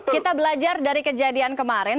kita belajar dari kejadian kemarin